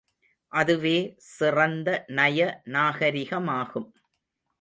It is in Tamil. அதுவே சிறந்த நய நாகரிகமாகும்.